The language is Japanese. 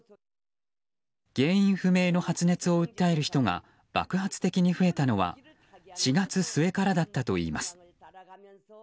原因不明の発熱を訴える人が爆発的に増えたのは４月末からだったといいます。